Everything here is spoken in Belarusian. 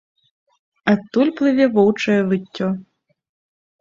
Адтуль плыве воўчае выццё.